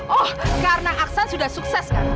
oh karena aksen sudah sukses kan